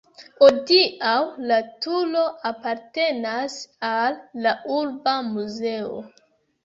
Hodiaŭ la turo apartenas al la urba muzeo.